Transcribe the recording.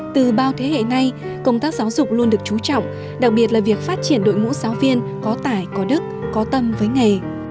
từ bao thế hệ nay công tác giáo dục luôn được chú trọng đặc biệt là việc phát triển đội ngũ giáo viên có tải có đức có tâm với nghề